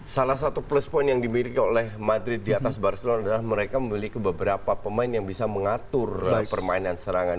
salah satu plus point yang dimiliki oleh madrid di atas barcelona adalah mereka memiliki beberapa pemain yang bisa mengatur permainan serangan